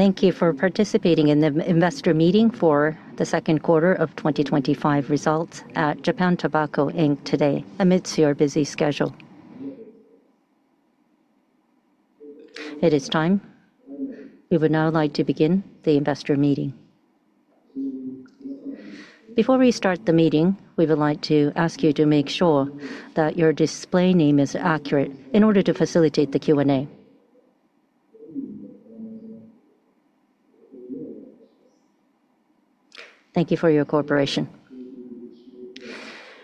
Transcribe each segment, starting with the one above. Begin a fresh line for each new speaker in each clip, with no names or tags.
Thank you for participating in the investor meeting for the second quarter of 2025 results at Japan Tobacco Inc today, amidst your busy schedule. It is time. We would now like to begin the investor meeting. Before we start the meeting, we would like to ask you to make sure that your display name is accurate in order to facilitate the Q&A. Thank you for your cooperation.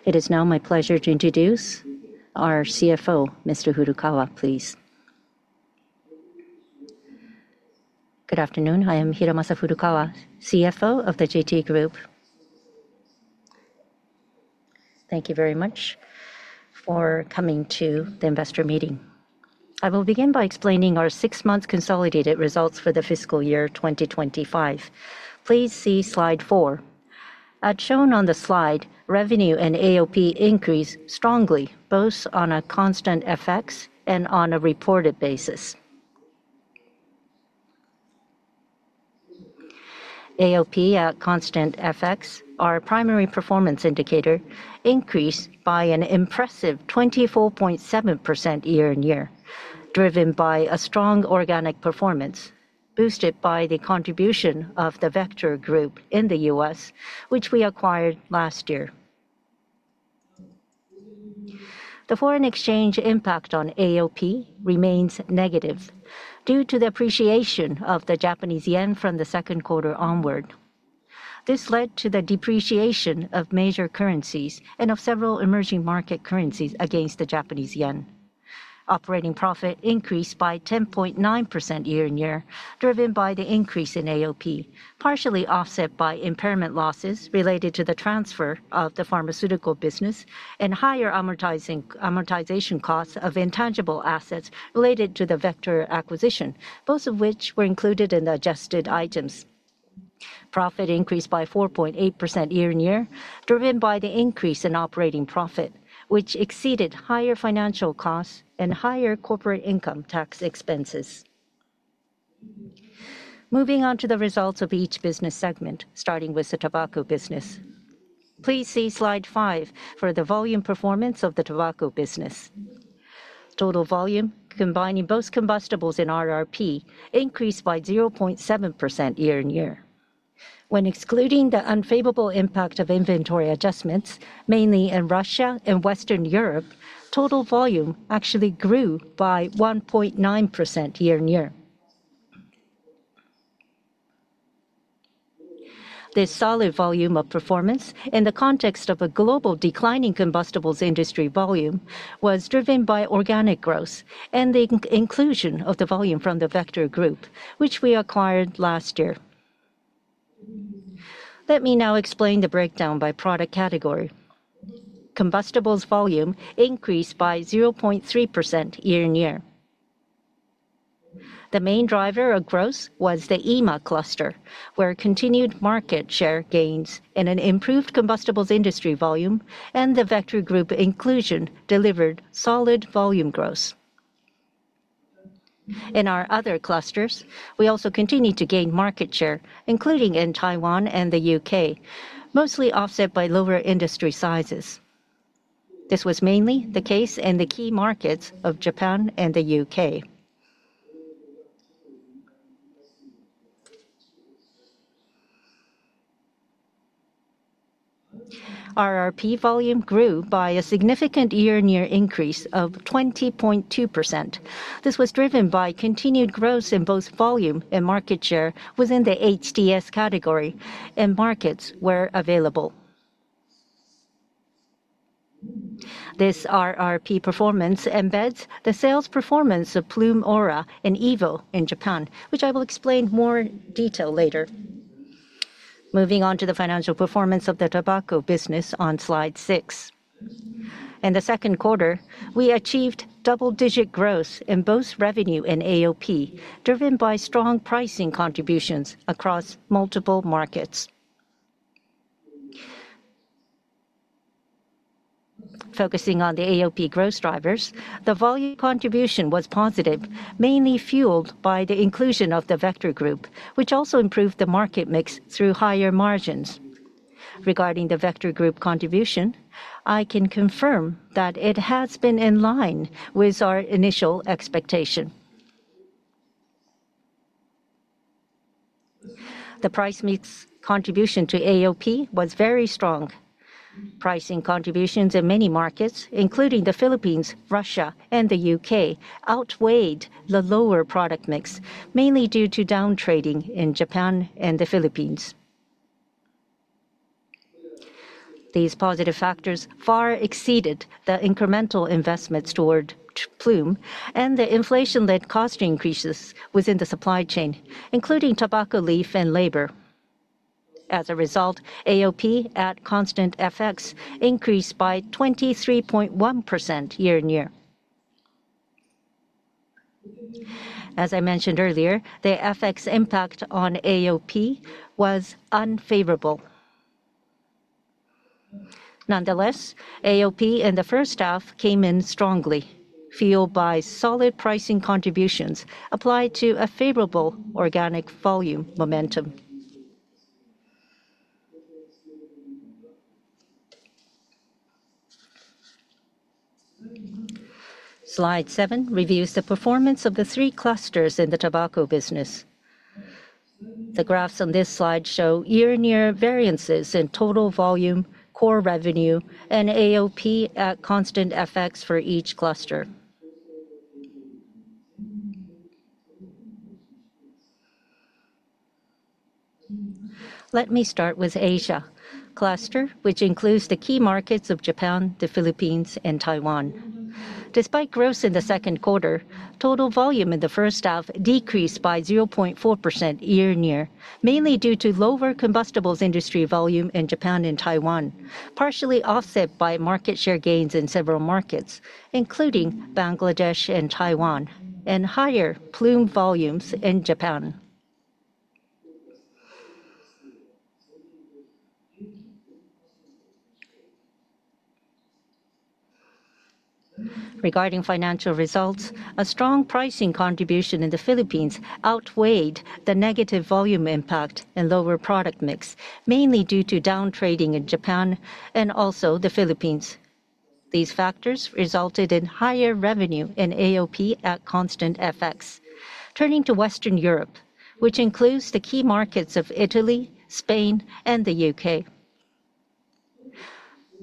It is now my pleasure to introduce our CFO, Mr. Hiromasa Furukawa, please.
Good afternoon. I am Hiromasa Furukawa, CFO of the JT Group. Thank you very much for coming to the investor meeting. I will begin by explaining our six-month consolidated results for the fiscal year 2025. Please see slide four. As shown on the slide, revenue and AOP increased strongly, both on a constant FX and on a reported basis. AOP at constant FX, our primary performance indicator, increased by an impressive 24.7% year-on-year, driven by a strong organic performance, boosted by the contribution of the Vector Group in the U.S., which we acquired last year. The foreign exchange impact on AOP remains negative due to the appreciation of the Japanese yen from the second quarter onward. This led to the depreciation of major currencies and of several emerging market currencies against the Japanese yen. Operating profit increased by 10.9% year-on-year, driven by the increase in AOP, partially offset by impairment losses related to the transfer of the pharmaceutical business and higher amortization costs of intangible assets related to the Vector acquisition, both of which were included in the adjusted items. Profit increased by 4.8% year-on-year, driven by the increase in operating profit, which exceeded higher financial costs and higher corporate income tax expenses. Moving on to the results of each business segment, starting with the tobacco business. Please see slide five for the volume performance of the tobacco business. Total volume, combining both combustibles and RRP, increased by 0.7% year-on-year. When excluding the unfavorable impact of inventory adjustments, mainly in Russia and Western Europe, total volume actually grew by 1.9% year-on-year. This solid volume performance, in the context of a global declining combustibles industry volume, was driven by organic growth and the inclusion of the volume from the Vector Group, which we acquired last year. Let me now explain the breakdown by product category. Combustibles volume increased by 0.3% year-on-year. The main driver of growth was the EMA cluster, where continued market share gains and an improved combustibles industry volume and the Vector Group inclusion delivered solid volume growth. In our other clusters, we also continued to gain market share, including in Taiwan and the U.K., mostly offset by lower industry sizes. This was mainly the case in the key markets of Japan and the U.K. RRP volume grew by a significant year-on-year increase of 20.2%. This was driven by continued growth in both volume and market share within the HDS category and markets where available. This RRP performance embeds the sales performance of Ploom AURA and EVO in Japan, which I will explain in more detail later. Moving on to the financial performance of the tobacco business on slide six. In the second quarter, we achieved double-digit growth in both revenue and AOP, driven by strong pricing contributions across multiple markets. Focusing on the AOP growth drivers, the volume contribution was positive, mainly fueled by the inclusion of the Vector Group, which also improved the market mix through higher margins. Regarding the Vector Group contribution, I can confirm that it has been in line with our initial expectation. The price mix contribution to AOP was very strong. Pricing contributions in many markets, including the Philippines, Russia, and the U.K., outweighed the lower product mix, mainly due to downtrading in Japan and the Philippines. These positive factors far exceeded the incremental investments toward Ploom and the inflation-led cost increases within the supply chain, including tobacco leaf and labor. As a result, AOP at constant FX increased by 23.1% year-on-year. As I mentioned earlier, the FX impact on AOP was unfavorable. Nonetheless, AOP in the first half came in strongly, fueled by solid pricing contributions applied to a favorable organic volume momentum. Slide seven reviews the performance of the three clusters in the tobacco business. The graphs on this slide show year-on-year variances in total volume, core revenue, and AOP at constant FX for each cluster. Let me start with Asia cluster, which includes the key markets of Japan, the Philippines, and Taiwan. Despite growth in the second quarter, total volume in the first half decreased by 0.4% year-on-year, mainly due to lower combustibles industry volume in Japan and Taiwan, partially offset by market share gains in several markets, including Bangladesh and Taiwan, and higher Ploom volumes in Japan. Regarding financial results, a strong pricing contribution in the Philippines outweighed the negative volume impact and lower product mix, mainly due to downtrading in Japan and also the Philippines. These factors resulted in higher revenue and AOP at constant FX. Turning to Western Europe, which includes the key markets of Italy, Spain, and the U.K..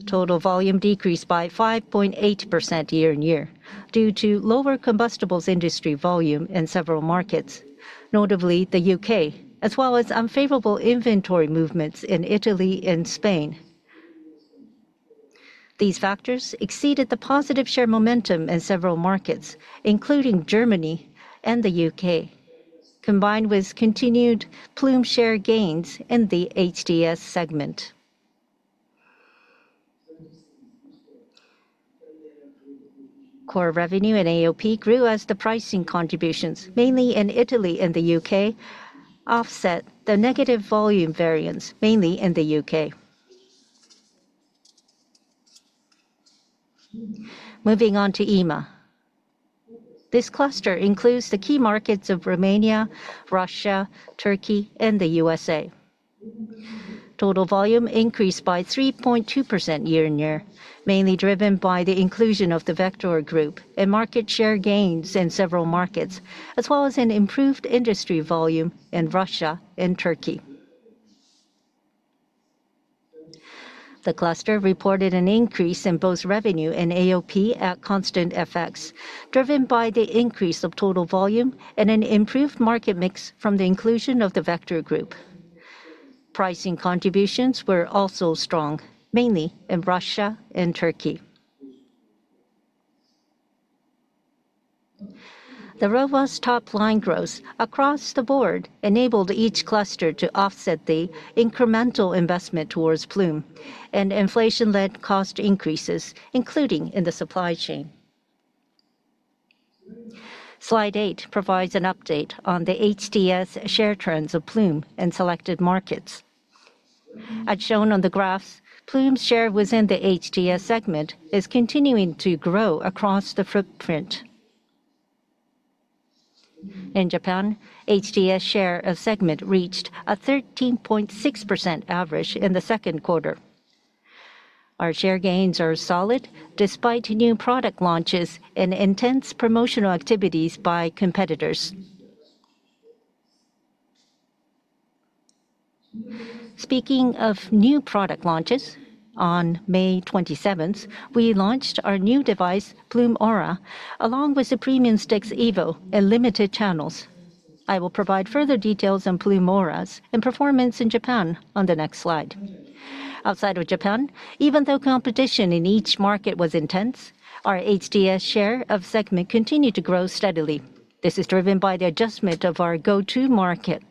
Total volume decreased by 5.8% year-on-year due to lower combustibles industry volume in several markets, notably the U.K., as well as unfavorable inventory movements in Italy and Spain. These factors exceeded the positive share momentum in several markets, including Germany and the U.K., combined with continued Ploom share gains in the HDS segment. Core revenue and AOP grew as the pricing contributions, mainly in Italy and the U.K., offset the negative volume variance, mainly in the U.K.. Moving on to EMA, this cluster includes the key markets of Romania, Russia, Turkey, and the U.S. Total volume increased by 3.2% year-on-year, mainly driven by the inclusion of the Vector Group and market share gains in several markets, as well as an improved industry volume in Russia and Turkey. The cluster reported an increase in both revenue and AOP at constant FX, driven by the increase of total volume and an improved market mix from the inclusion of the Vector Group. Pricing contributions were also strong, mainly in Russia and Turkey. The robust top line growth across the board enabled each cluster to offset the incremental investment towards Ploom and inflation-led cost increases, including in the supply chain. Slide eight provides an update on the HDS share trends of Ploom in selected markets. As shown on the graphs, Ploom's share within the HDS segment is continuing to grow across the footprint. In Japan, HDS share of segment reached a 13.6% average in the second quarter. Our share gains are solid despite new product launches and intense promotional activities by competitors. Speaking of new product launches, on May 27, we launched our new device, Ploom AURA, along with Supreme Instex EVO in limited channels. I will provide further details on Ploom AURA's performance in Japan on the next slide. Outside of Japan, even though competition in each market was intense, our HDS share of segment continued to grow steadily. This is driven by the adjustment of our go-to-market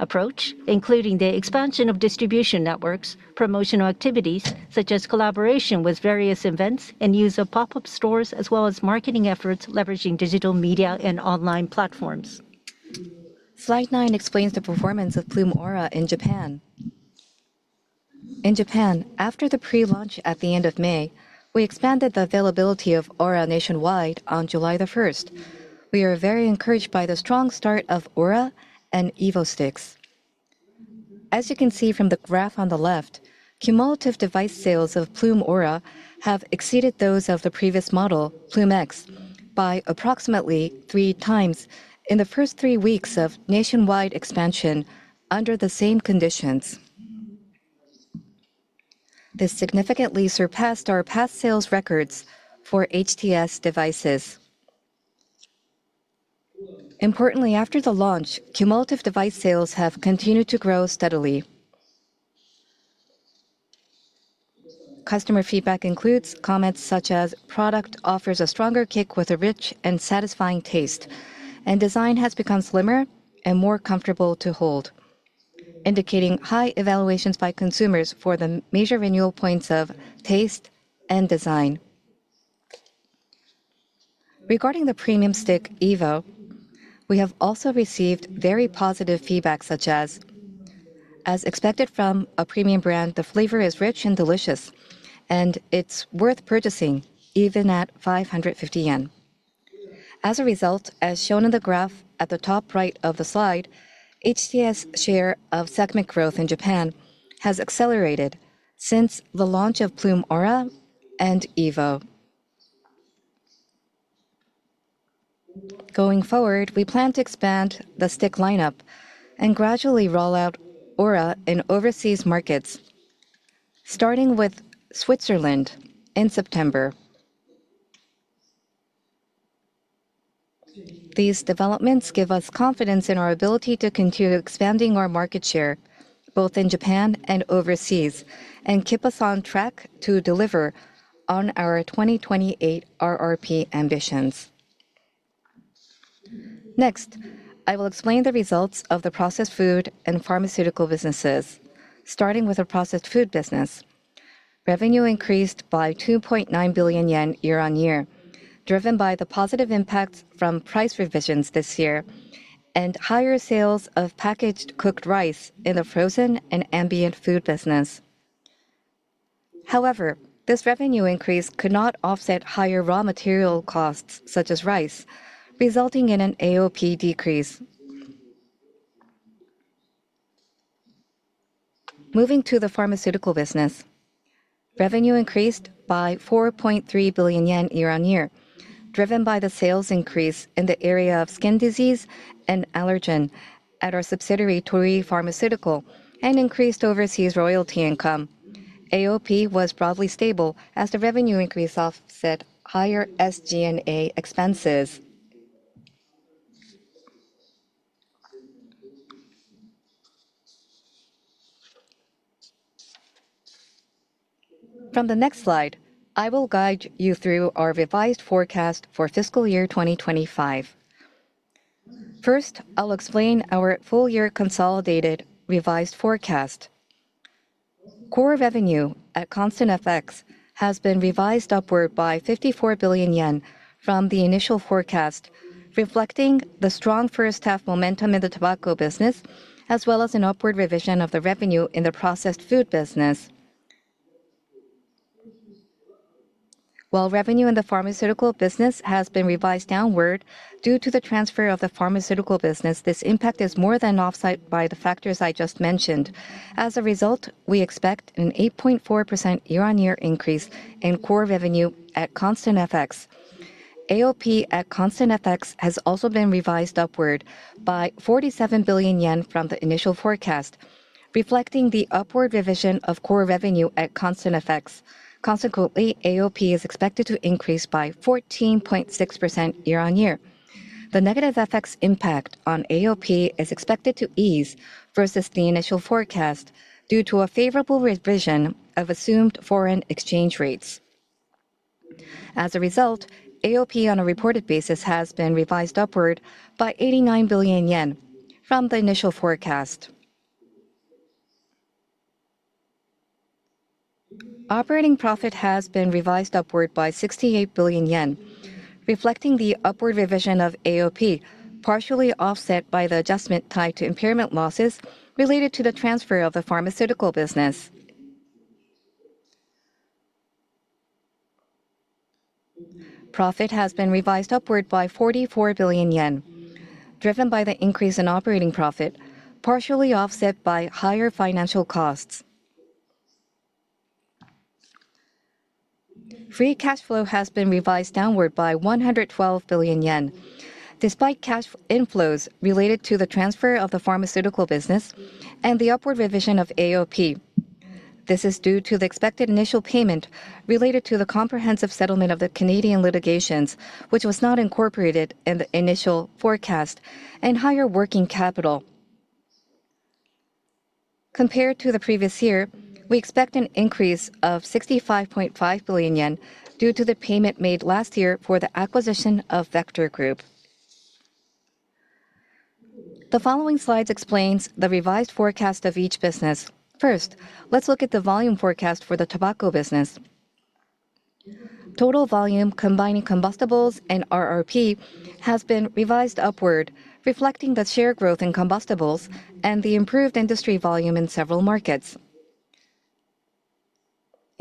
approach, including the expansion of distribution networks, promotional activities such as collaboration with various events and use of pop-up stores, as well as marketing efforts leveraging digital media and online platforms. Slide nine explains the performance of Ploom AURA in Japan. In Japan, after the pre-launch at the end of May, we expanded the availability of AURA nationwide on July 1. We are very encouraged by the strong start of AURA and EVO Sticks. As you can see from the graph on the left, cumulative device sales of Ploom AURA have exceeded those of the previous model, Ploom X, by approximately three times in the first three weeks of nationwide expansion under the same conditions. This significantly surpassed our past sales records for HDS devices. Importantly, after the launch, cumulative device sales have continued to grow steadily. Customer feedback includes comments such as, "Product offers a stronger kick with a rich and satisfying taste," and "Design has become slimmer and more comfortable to hold," indicating high evaluations by consumers for the major renewal points of taste and design. Regarding the Premium Stick EVO, we have also received very positive feedback such as, "As expected from a premium brand, the flavor is rich and delicious, and it's worth purchasing even at 550 yen." As a result, as shown in the graph at the top right of the slide, HDS share of segment growth in Japan has accelerated since the launch of Ploom AURA and EVO. Going forward, we plan to expand the stick lineup and gradually roll out AURA in overseas markets, starting with Switzerland in September. These developments give us confidence in our ability to continue expanding our market share both in Japan and overseas and keep us on track to deliver on our 2028 RRP ambitions. Next, I will explain the results of the processed food and pharmaceutical businesses, starting with the processed food business. Revenue increased by 2.9 billion yen year-on-year, driven by the positive impacts from price revisions this year and higher sales of packaged cooked rice in the frozen and ambient food business. However, this revenue increase could not offset higher raw material costs such as rice, resulting in an AOP decrease. Moving to the pharmaceutical business, revenue increased by 4.3 billion yen year-on-year, driven by the sales increase in the area of skin disease and allergen at our subsidiary Torii Pharmaceutical and increased overseas royalty income. AOP was broadly stable as the revenue increase offset higher SG&A expenses. From the next slide, I will guide you through our revised forecast for fiscal year 2025. First, I'll explain our full-year consolidated revised forecast. Core revenue at constant FX has been revised upward by 54 billion yen from the initial forecast, reflecting the strong first-half momentum in the tobacco business, as well as an upward revision of the revenue in the processed food business. While revenue in the pharmaceutical business has been revised downward due to the transfer of the pharmaceutical business, this impact is more than offset by the factors I just mentioned. As a result, we expect an 8.4% year-on-year increase in core revenue at constant FX. AOP at constant FX has also been revised upward by 47 billion yen from the initial forecast, reflecting the upward revision of core revenue at constant FX. Consequently, AOP is expected to increase by 14.6% year-on-year. The negative FX impact on AOP is expected to ease versus the initial forecast due to a favorable revision of assumed foreign exchange rates. As a result, AOP on a reported basis has been revised upward by 89 billion yen from the initial forecast. Operating profit has been revised upward by 68 billion yen, reflecting the upward revision of AOP, partially offset by the adjustment tied to impairment losses related to the transfer of the pharmaceutical business. Profit has been revised upward by 44 billion yen, driven by the increase in operating profit, partially offset by higher financial costs. Free cash flow has been revised downward by 112 billion yen, despite cash inflows related to the transfer of the pharmaceutical business and the upward revision of AOP. This is due to the expected initial payment related to the comprehensive settlement of the Canadian litigations, which was not incorporated in the initial forecast, and higher working capital. Compared to the previous year, we expect an increase of 65.5 billion yen due to the payment made last year for the acquisition of Vector Group. The following slides explain the revised forecast of each business. First, let's look at the volume forecast for the tobacco business. Total volume combining combustibles and RRP has been revised upward, reflecting the share growth in combustibles and the improved industry volume in several markets.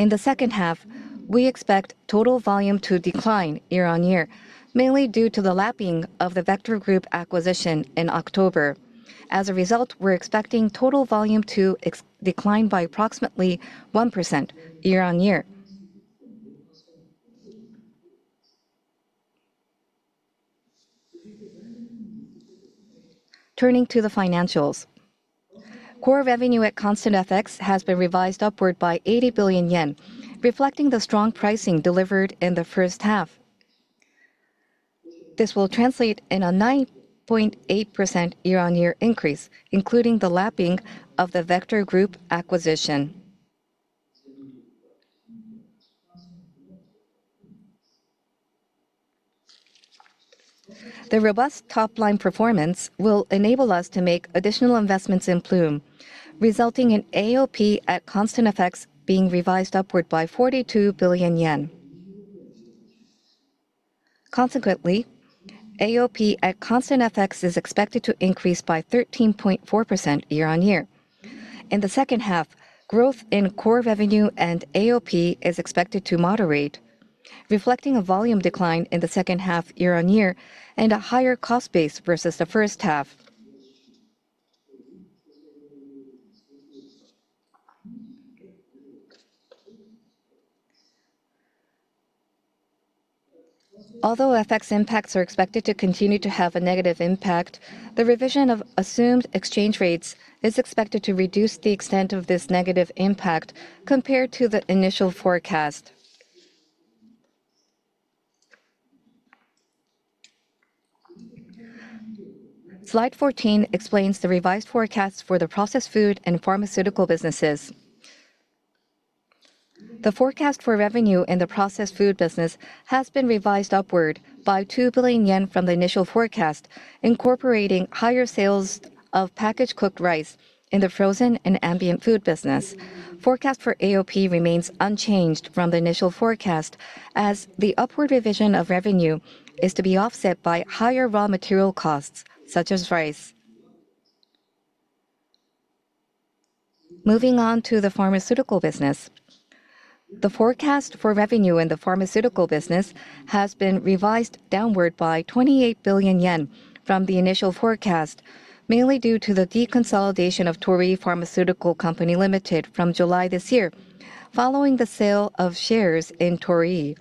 In the second half, we expect total volume to decline year-on-year, mainly due to the lapping of the Vector Group acquisition in October. As a result, we're expecting total volume to decline by approximately 1% year-on-year. Turning to the financials. Core revenue at constant FX has been revised upward by 80 billion yen, reflecting the strong pricing delivered in the first half. This will translate in a 9.8% year-on-year increase, including the lapping of the Vector Group acquisition. The robust top line performance will enable us to make additional investments in Ploom, resulting in AOP at constant FX being revised upward by 42 billion yen. Consequently, AOP at constant FX is expected to increase by 13.4% year-on-year. In the second half, growth in core revenue and AOP is expected to moderate, reflecting a volume decline in the second half year-on-year and a higher cost base versus the first half. Although FX impacts are expected to continue to have a negative impact, the revision of assumed exchange rates is expected to reduce the extent of this negative impact compared to the initial forecast. Slide 14 explains the revised forecast for the processed food and pharmaceutical businesses. The forecast for revenue in the processed food business has been revised upward by 2 billion yen from the initial forecast, incorporating higher sales of packaged cooked rice in the frozen and ambient food business. Forecast for AOP remains unchanged from the initial forecast, as the upward revision of revenue is to be offset by higher raw material costs such as rice. Moving on to the pharmaceutical business. The forecast for revenue in the pharmaceutical business has been revised downward by 28 billion yen from the initial forecast, mainly due to the deconsolidation of Torii Pharmaceutical Company Limited from July this year, following the sale of shares in Torii.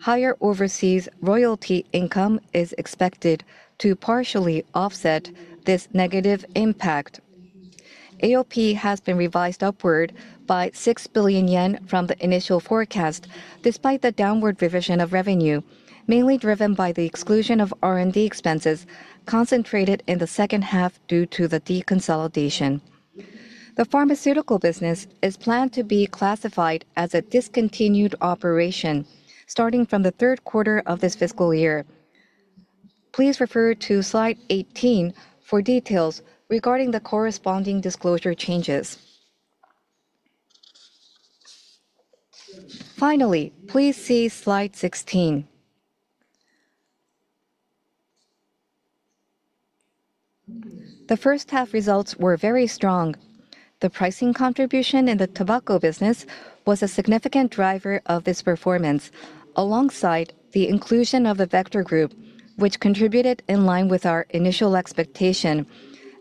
Higher overseas royalty income is expected to partially offset this negative impact. AOP has been revised upward by 6 billion yen from the initial forecast, despite the downward revision of revenue, mainly driven by the exclusion of R&D expenses concentrated in the second half due to the deconsolidation. The pharmaceutical business is planned to be classified as a discontinued operation starting from the third quarter of this fiscal year. Please refer to Slide 18 for details regarding the corresponding disclosure changes. Finally, please see Slide 16. The first half results were very strong. The pricing contribution in the tobacco business was a significant driver of this performance, alongside the inclusion of the Vector Group, which contributed in line with our initial expectation.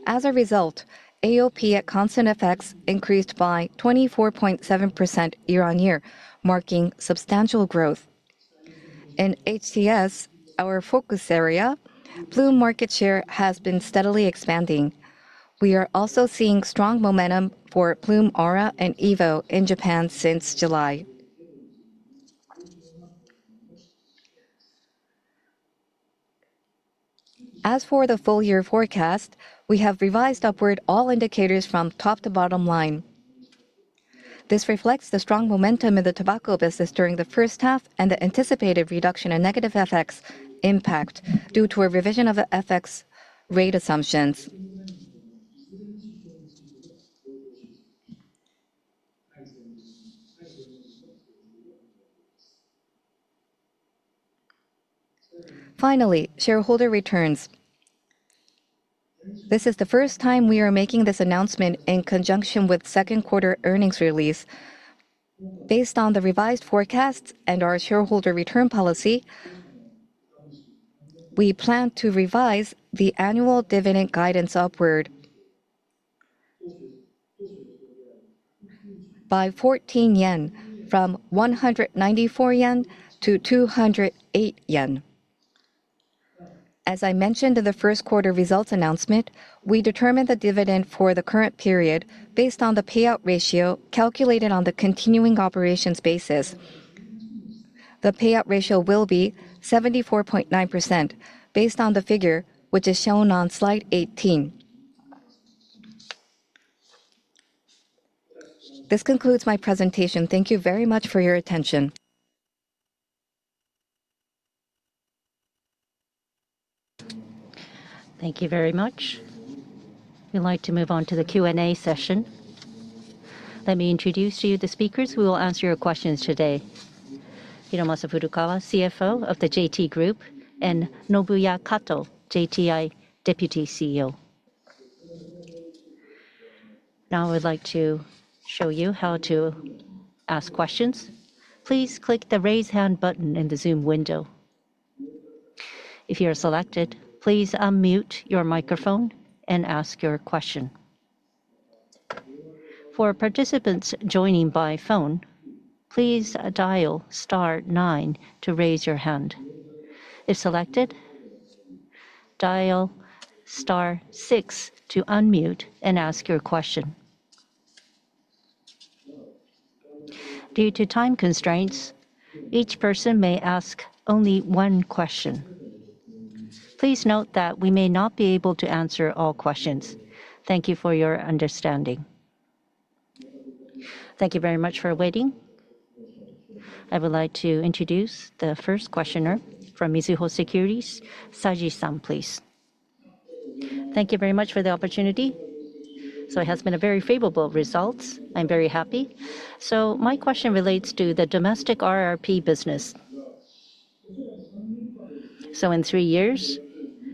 As a result, AOP at constant FX increased by 24.7% year-on-year, marking substantial growth. In HTS, our focus area, Ploom market share has been steadily expanding. We are also seeing strong momentum for Ploom AURA and EVO in Japan since July. As for the full-year forecast, we have revised upward all indicators from top to bottom line. This reflects the strong momentum in the tobacco business during the first half and the anticipated reduction in negative FX impact due to a revision of the FX rate assumptions. Finally, shareholder returns. This is the first time we are making this announcement in conjunction with second-quarter earnings release. Based on the revised forecasts and our shareholder return policy, we plan to revise the annual dividend guidance upward by 14 yen, from 194-208 yen. As I mentioned in the first-quarter results announcement, we determined the dividend for the current period based on the payout ratio calculated on the continuing operations basis. The payout ratio will be 74.9%, based on the figure which is shown on Slide 18. This concludes my presentation. Thank you very much for your attention. Thank you very much.
We'd like to move on to the Q&A session. Let me introduce to you the speakers who will answer your questions today: Hiromasa Furukawa, CFO of the JT Group, and Nobuya Kato, JTI Deputy CEO. Now I would like to show you how to ask questions. Please click the raise hand button in the Zoom window. If you are selected, please unmute your microphone and ask your question. For participants joining by phone, please dial star nine to raise your hand. If selected, dial star six to unmute and ask your question. Due to time constraints, each person may ask only one question. Please note that we may not be able to answer all questions. Thank you for your understanding. Thank you very much for waiting. I would like to introduce the first questioner from Mizuho Securities, Saji-san, please.
Thank you very much for the opportunity. It has been a very favorable result. I'm very happy. My question relates to the domestic RRP business. In three years,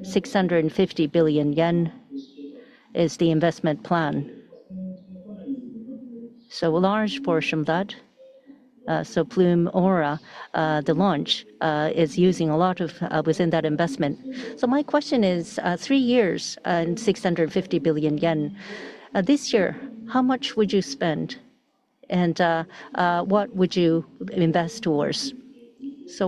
650 billion yen is the investment plan. A large portion of that, so Ploom AURA, the launch, is using a lot within that investment. My question is, three years and 650 billion yen, this year, how much would you spend and what would you invest towards?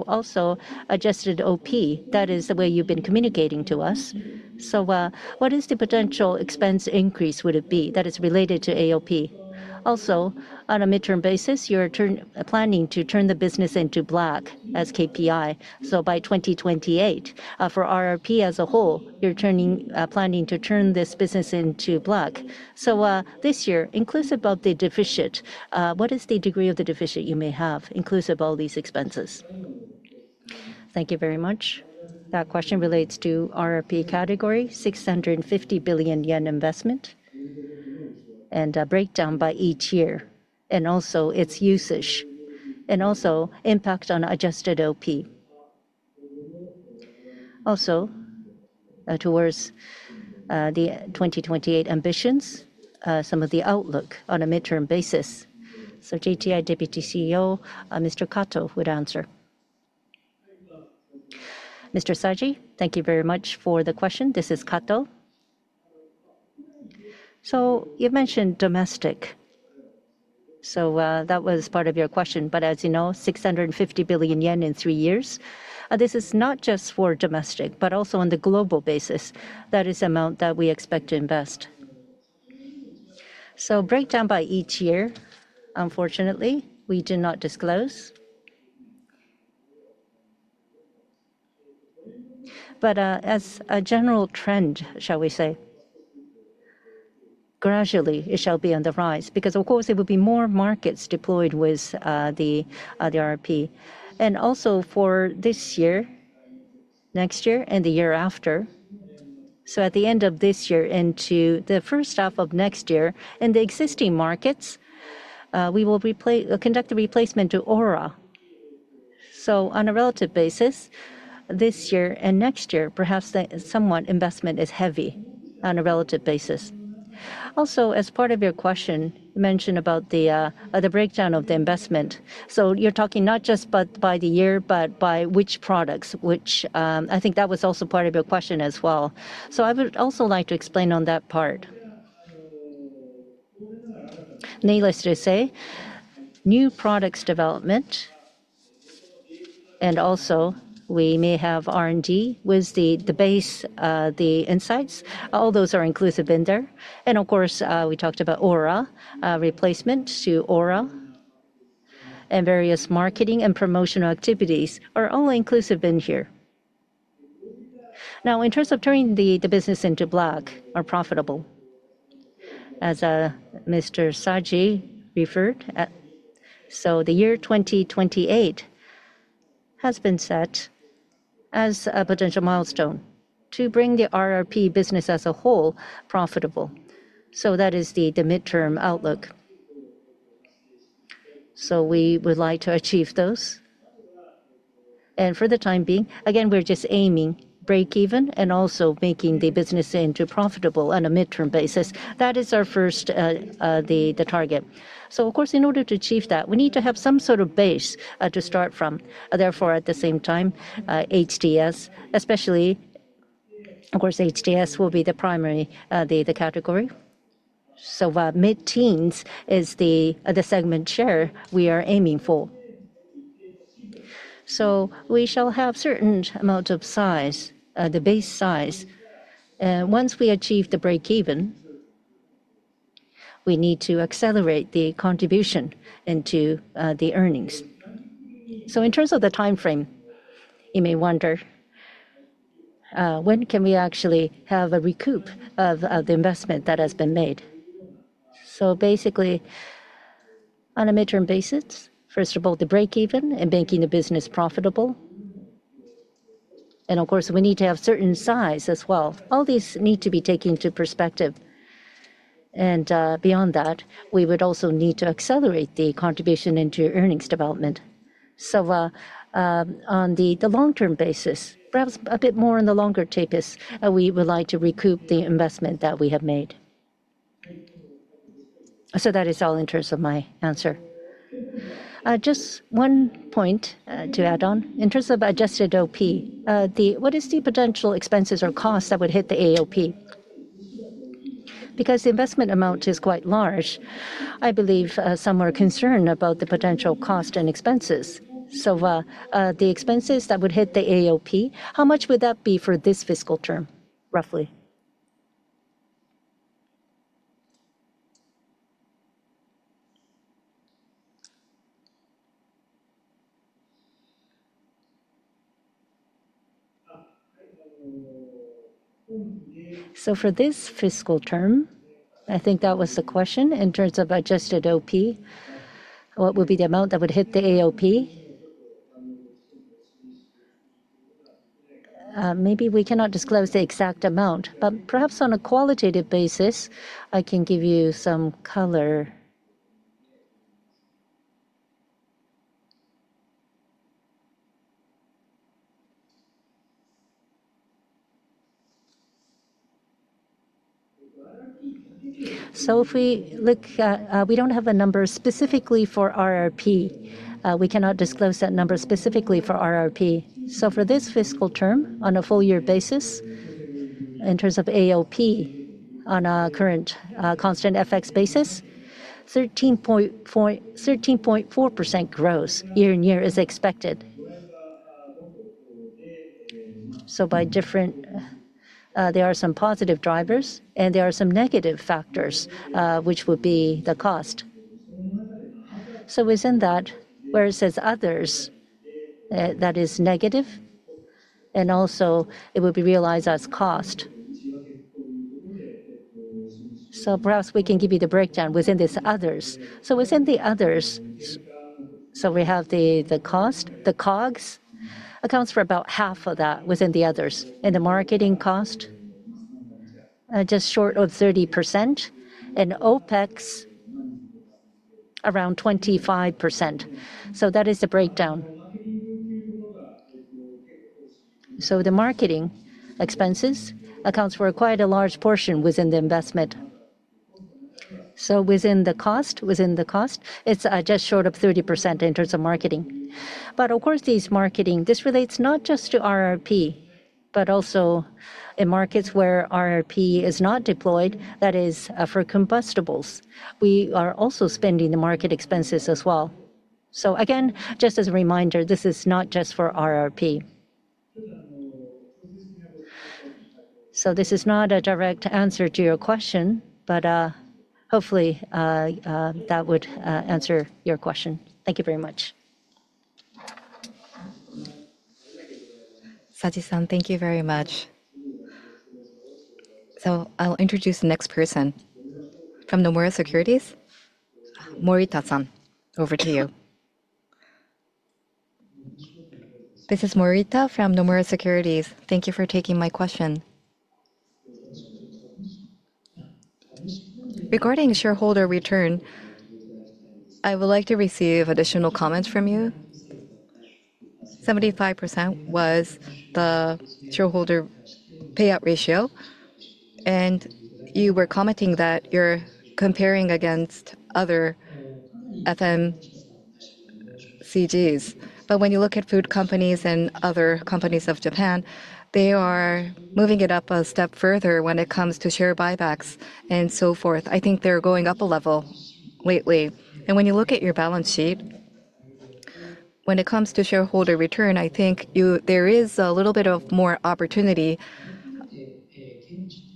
Also, adjusted OP, that is the way you've been communicating to us. What is the potential expense increase, would it be that is related to AOP? Also, on a midterm basis, you're planning to turn the business into black as KPI. By 2028, for RRP as a whole, you're planning to turn this business into black. This year, inclusive of the deficit, what is the degree of the deficit you may have inclusive of all these expenses? Thank you very much.
That question relates to RRP category, 650 billion yen investment, and a breakdown by each year, and also its usage, and also impact on adjusted OP. Also, towards the 2028 ambitions, some of the outlook on a midterm basis. JTI Deputy CEO, Mr. Kato, would answer.
Mr. Saji, thank you very much for the question. This is Kato. You mentioned domestic, so that was part of your question. As you know, 650 billion yen in three years is not just for domestic, but also on a global basis. That is the amount that we expect to invest. Breakdown by each year, unfortunately, we do not disclose, but as a general trend, it shall be on the rise, because it would be more markets deployed with the RRP. For this year, next year, and the year after, at the end of this year into the first half of next year, in the existing markets, we will conduct a replacement to AURA. On a relative basis, this year and next year, perhaps somewhat investment is heavy on a relative basis. As part of your question, you mentioned about the breakdown of the investment, so you're talking not just by the year, but by which products, which I think was also part of your question as well. I would also like to explain on that part. Needless to say, new products development and also we may have R&D with the base, the insights, all those are inclusive in there. We talked about AURA, replacement to AURA, and various marketing and promotional activities are all inclusive in here. In terms of turning the business into black or profitable, as Mr. Saji referred, the year 2028 has been set as a potential milestone to bring the RRP business as a whole profitable. That is the midterm outlook. We would like to achieve those, and for the time being, again, we're just aiming breakeven and also making the business into profitable on a midterm basis. That is our first target. In order to achieve that, we need to have some sort of base to start from. At the same time, HTS especially, of course, HTS will be the primary category. Mid-teens is the segment share we are aiming for. We shall have a certain amount of size, the base size. Once we achieve the breakeven, we need to accelerate the contribution into the earnings. In terms of the time frame, you may wonder when can we actually have a recoup of the investment that has been made. Basically, on a midterm basis, first of all, the breakeven and making the business profitable. Of course, we need to have certain size as well. All these need to be taken into perspective. Beyond that, we would also need to accelerate the contribution into earnings development. On the long-term basis, perhaps a bit more on the longer tape is we would like to recoup the investment that we have made. That is all in terms of my answer.
Just one point to add on. In terms of adjusted OP, what is the potential expenses or costs that would hit the AOP? Because the investment amount is quite large, I believe some are concerned about the potential cost and expenses. The expenses that would hit the AOP, how much would that be for this fiscal term, roughly?
For this fiscal term, I think that was the question. In terms of adjusted OP, what would be the amount that would hit the AOP? Maybe we cannot disclose the exact amount, but perhaps on a qualitative basis, I can give you some color. If we look, we don't have a number specifically for RRP. We cannot disclose that number specifically for RRP. For this fiscal term, on a full-year basis, in terms of AOP, on a current constant FX basis, 13.4% growth year-on-year is expected. By different, there are some positive drivers, and there are some negative factors, which would be the cost. Within that, where it says others, that is negative, and also it would be realized as cost. Perhaps we can give you the breakdown within this others. Within the others, we have the cost. The COGS accounts for about half of that within the others. The marketing cost, just short of 30%. OPEX, around 25%. That is the breakdown. The marketing expenses account for quite a large portion within the investment. Within the cost, it's just short of 30% in terms of marketing. Of course, these marketing, this relates not just to RRP, but also in markets where RRP is not deployed, that is for combustibles, we are also spending the market expenses as well. Again, just as a reminder, this is not just for RRP. This is not a direct answer to your question, but hopefully that would answer your question. Thank you very much.
Saji-san, thank you very much. I'll introduce the next person. From Nomura Securities, Morita-san, over to you.
This is Morita from Nomura Securities. Thank you for taking my question. Regarding shareholder return, I would like to receive additional comments from you. 75% was the shareholder payout ratio. You were commenting that you're comparing against other FMCGs. When you look at food companies and other companies of Japan, they are moving it up a step further when it comes to share buybacks and so forth. I think they're going up a level lately. When you look at your balance sheet, when it comes to shareholder return, I think there is a little bit more opportunity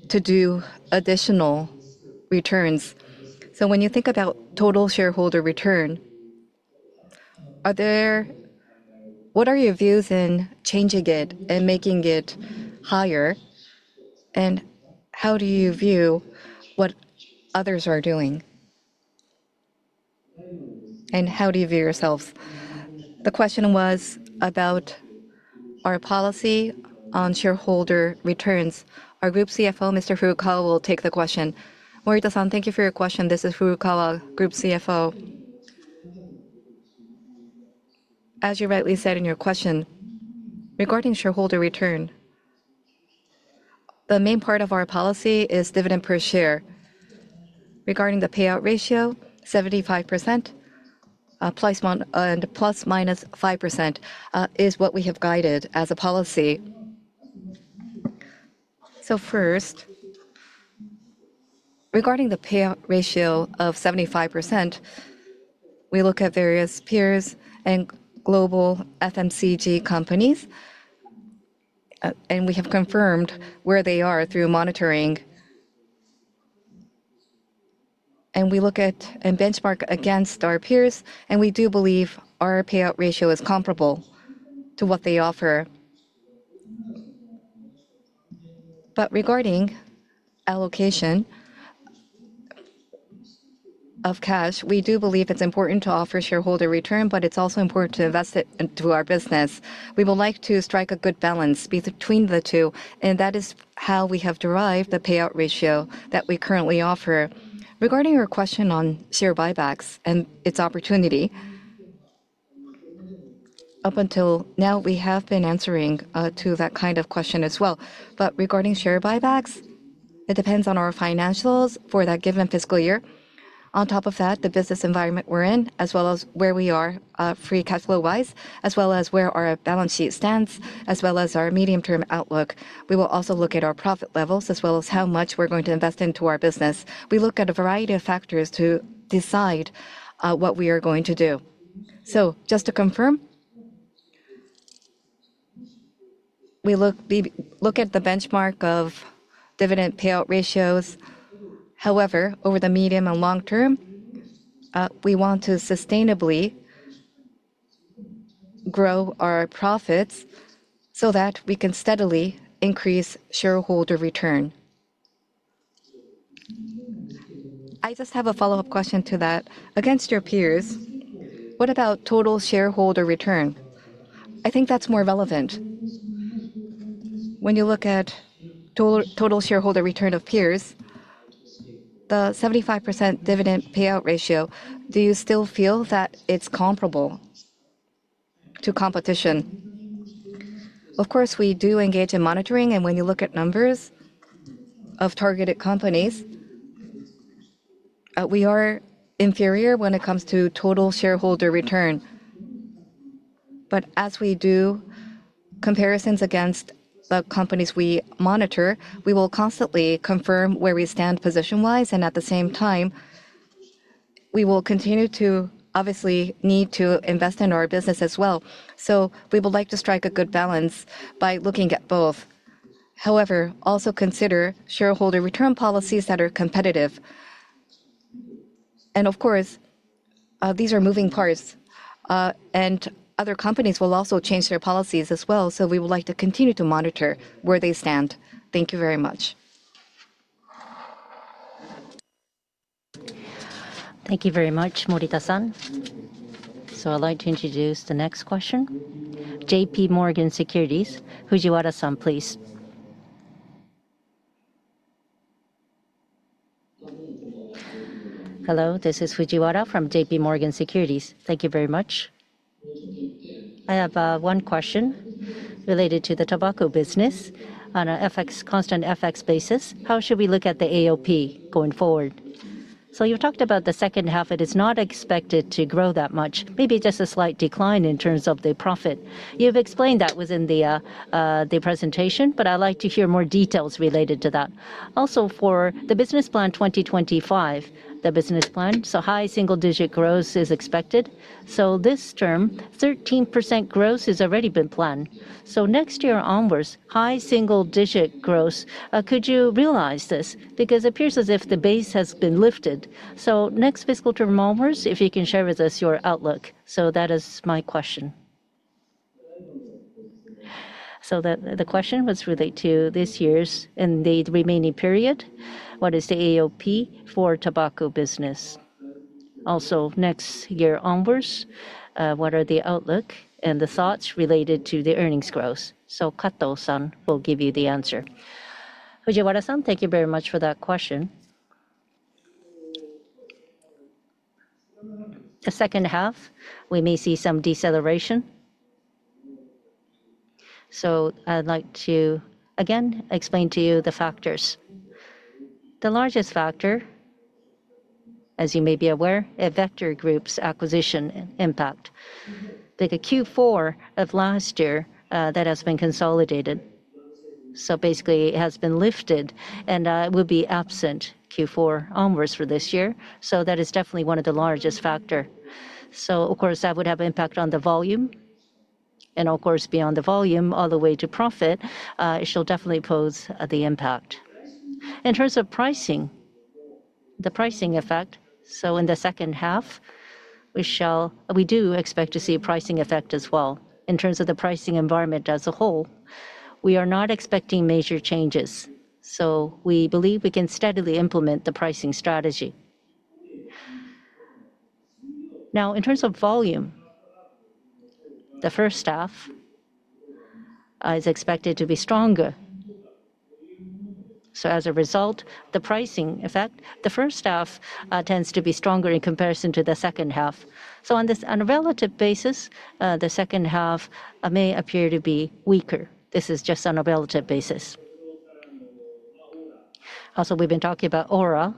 to do additional returns. When you think about total shareholder return, what are your views in changing it and making it higher? How do you view what others are doing? How do you view yourselves?
The question was about our policy on shareholder returns. Our Group CFO, Mr. Furukawa, will take the question.
Morita-san, thank you for your question. This is Furukawa, Group CFO. As you rightly said in your question, regarding shareholder return, the main part of our policy is dividend per share. Regarding the payout ratio, 75% plus minus 5% is what we have guided as a policy. First, regarding the payout ratio of 75%, we look at various peers and global FMCG companies. We have confirmed where they are through monitoring, and we look at and benchmark against our peers. We do believe our payout ratio is comparable to what they offer. Regarding allocation of cash, we do believe it's important to offer shareholder return, but it's also important to invest it into our business. We would like to strike a good balance between the two, and that is how we have derived the payout ratio that we currently offer. Regarding your question on share buybacks and its opportunity, up until now, we have been answering to that kind of question as well. Regarding share buybacks, it depends on our financials for that given fiscal year. On top of that, the business environment we're in, as well as where we are free cash flow-wise, as well as where our balance sheet stands, as well as our medium-term outlook. We will also look at our profit levels, as well as how much we're going to invest into our business. We look at a variety of factors to decide what we are going to do. Just to confirm, we look at the benchmark of dividend payout ratios. However, over the medium and long term, we want to sustainably grow our profits so that we can steadily increase shareholder return.
I just have a follow-up question to that. Against your peers, what about total shareholder return? I think that's more relevant. When you look at total shareholder return of peers, the 75% dividend payout ratio, do you still feel that it's comparable to competition?
Of course, we do engage in monitoring. When you look at numbers of targeted companies, we are inferior when it comes to total shareholder return. As we do comparisons against the companies we monitor, we will constantly confirm where we stand position-wise. At the same time, we will continue to obviously need to invest in our business as well. We would like to strike a good balance by looking at both. However, also consider shareholder return policies that are competitive. Of course, these are moving parts, and other companies will also change their policies as well. We would like to continue to monitor where they stand. Thank you very much.
Thank you very much, Morita-san. I'd like to introduce the next question. JP Morgan Securities, Fujiwara-san, please. Hello, this is Fujiwara from JP Morgan Securities. Thank you very much. I have one question related to the tobacco business.
On a constant FX basis, how should we look at the AOP going forward? You talked about the second half. It is not expected to grow that much, maybe just a slight decline in terms of the profit. You've explained that within the presentation, but I'd like to hear more details related to that. Also, for the business plan 2025, the business plan, so high single-digit growth is expected. This term, 13% growth has already been planned. Next year onwards, high single-digit growth. Could you realize this? Because it appears as if the base has been lifted. Next fiscal term onwards, if you can share with us your outlook. That is my question.
The question was related to this year's and the remaining period. What is the AOP for tobacco business? Also, next year onwards, what are the outlook and the thoughts related to the earnings growth? Kato-san will give you the answer.
Fujiwara-san, thank you very much for that question. The second half, we may see some deceleration. I'd like to again explain to you the factors. The largest factor, as you may be aware, is Vector Group's acquisition impact. The Q4 of last year that has been consolidated. Basically, it has been lifted and will be absent Q4 onwards for this year. That is definitely one of the largest factors. Of course, that would have an impact on the volume. Of course, beyond the volume, all the way to profit, it shall definitely pose the impact. In terms of pricing, the pricing effect, in the second half, we do expect to see a pricing effect as well. In terms of the pricing environment as a whole, we are not expecting major changes. We believe we can steadily implement the pricing strategy. In terms of volume, the first half is expected to be stronger. As a result, the pricing effect in the first half tends to be stronger in comparison to the second half. On a relative basis, the second half may appear to be weaker. This is just on a relative basis. Also, we've been talking about Ploom AURA.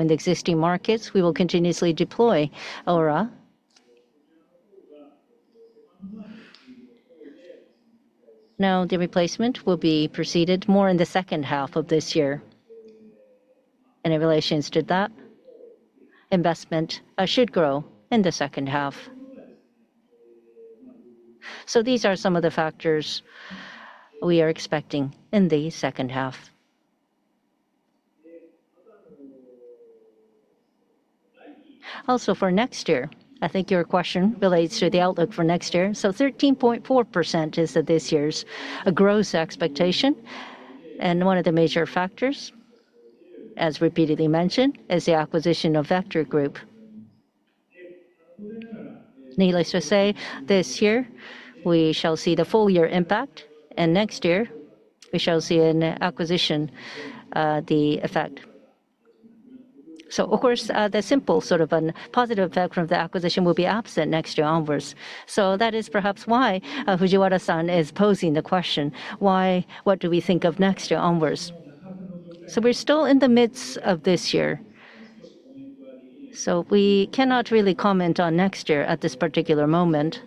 In the existing markets, we will continuously deploy Ploom AURA. The replacement will be proceeded more in the second half of this year. In relation to that, investment should grow in the second half. These are some of the factors we are expecting in the second half. Also, for next year, I think your question relates to the outlook for next year. 13.4% is this year's gross expectation. One of the major factors, as repeatedly mentioned, is the acquisition of Vector Group. Needless to say, this year, we shall see the full-year impact. Next year, we shall see an acquisition effect. Of course, the simple sort of a positive effect from the acquisition will be absent next year onwards. That is perhaps why Fujiwara-san is posing the question, what do we think of next year onwards. We are still in the midst of this year, so we cannot really comment on next year at this particular moment.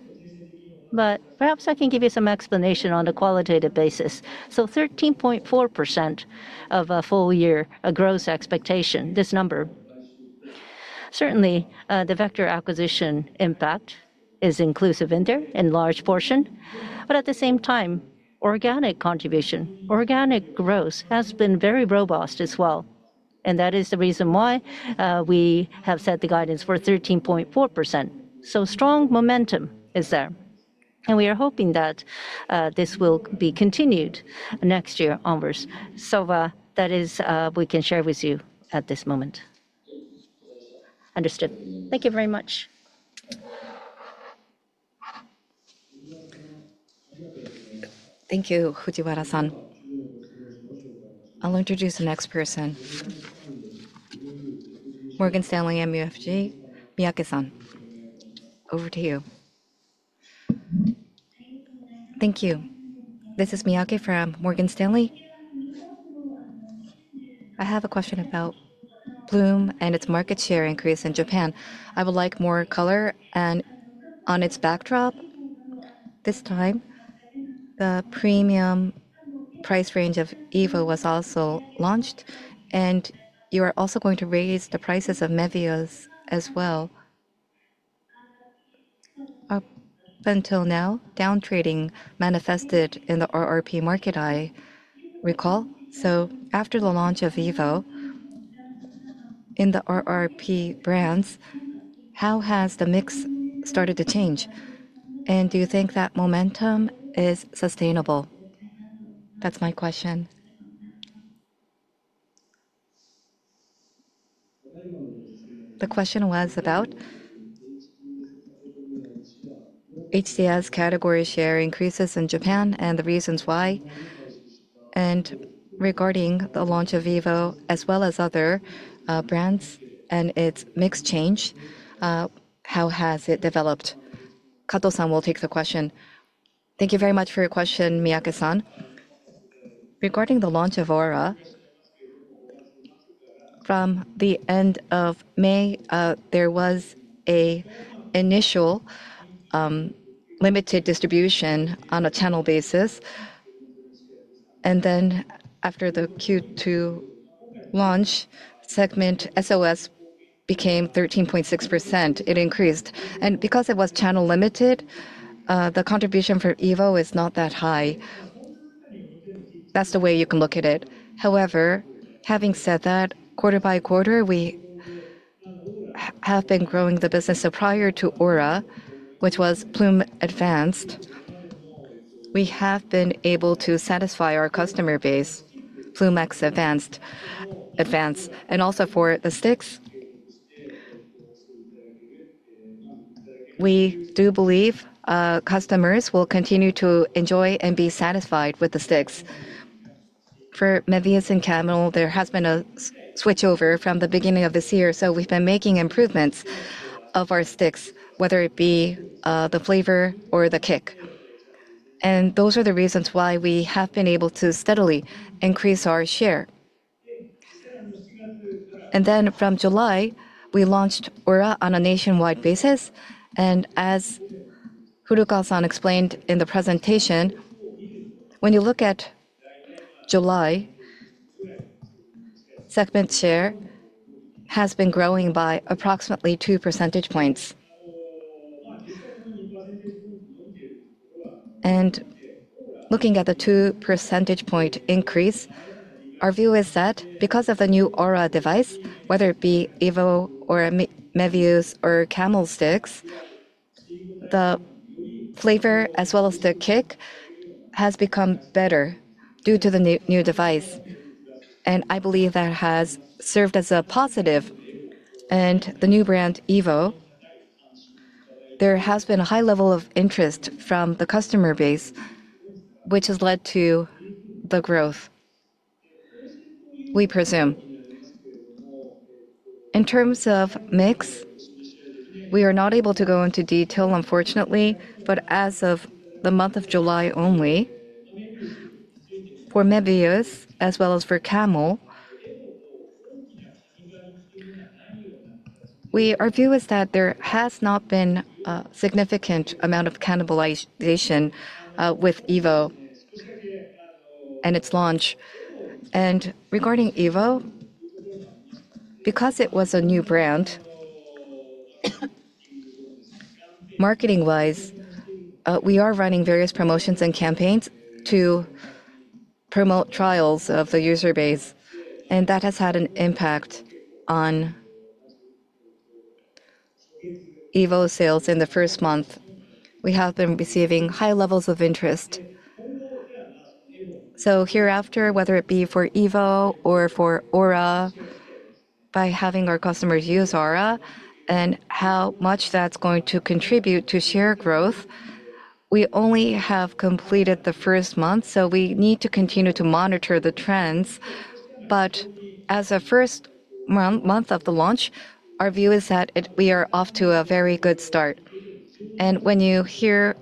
Perhaps I can give you some explanation on a qualitative basis. 13.4% of a full-year gross expectation, this number, certainly, the Vector acquisition impact is inclusive in there in large portion. At the same time, organic contribution, organic growth has been very robust as well. That is the reason why we have set the guidance for 13.4%. Strong momentum is there, and we are hoping that this will be continued next year onwards. That is what we can share with you at this moment.
Understood. Thank you very much.
Thank you, Fujiwara-san. I'll introduce the next person. Morgan Stanley, MUFG, Miyake-san. Over to you.
Thank you. This is Miyake from Morgan Stanley. I have a question about Ploom and its market share increase in Japan. I would like more color and on its backdrop. This time, the premium price range of EVO was also launched. You are also going to raise the prices of MEVIUS as well. Up until now, downtrading manifested in the RRP market, I recall. After the launch of EVO, in the RRP brands, how has the mix started to change? Do you think that momentum is sustainable? That's my question.
The question was about HCS category share increases in Japan and the reasons why, and regarding the launch of EVO, as well as other brands and its mix change. How has it developed? Kato-san will take the question.
Thank you very much for your question, Miyake-san. Regarding the launch of AURA, from the end of May, there was an initial limited distribution on a channel basis. After the Q2 launch, segment SOS became 13.6%. It increased, and because it was channel limited, the contribution for EVO is not that high. That's the way you can look at it. However, quarter by quarter, we have been growing the business. Prior to AURA, which was Ploom Advanced, we have been able to satisfy our customer base, Ploom X Advanced. Also, for the sticks, we do believe customers will continue to enjoy and be satisfied with the sticks. For MEVIUS and Camel, there has been a switchover from the beginning of this year. We've been making improvements of our sticks, whether it be the flavor or the kick, and those are the reasons why we have been able to steadily increase our share. From July, we launched AURA on a nationwide basis. As Furukawa-san explained in the presentation, when you look at July, segment share has been growing by approximately two percentage points. Looking at the two percentage point increase, our view is that because of the new AURA device, whether it be EVO or MEVIUS or Camel sticks, the flavor as well as the kick has become better due to the new device. I believe that has served as a positive. The new brand EVO has had a high level of interest from the customer base, which has led to the growth, we presume. In terms of mix, we are not able to go into detail, unfortunately, but as of the month of July only, for MEVIUS as well as for Camel, our view is that there has not been a significant amount of cannibalization with EVO and its launch. Regarding EVO, because it was a new brand, marketing-wise, we are running various promotions and campaigns to promote trials of the user base, and that has had an impact on EVO sales in the first month. We have been receiving high levels of interest. Hereafter, whether it be for EVO or for AURA, by having our customers use AURA and how much that's going to contribute to share growth, we only have completed the first month, so we need to continue to monitor the trends. As a first month of the launch, our view is that we are off to a very good start. When you hear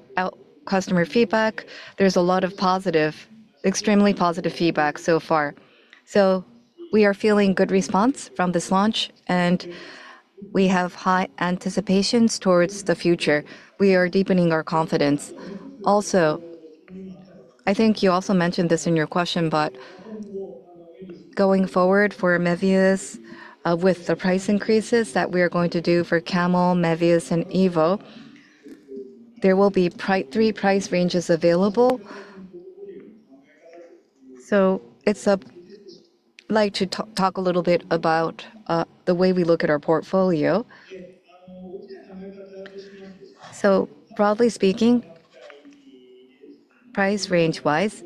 customer feedback, there's a lot of positive, extremely positive feedback so far. We are feeling good response from this launch, and we have high anticipations towards the future. We are deepening our confidence. I think you also mentioned this in your question, but going forward for Mevius, with the price increases that we are going to do for Camel, Mevius, and EVO, there will be three price ranges available. I'd like to talk a little bit about the way we look at our portfolio. Broadly speaking, price range-wise,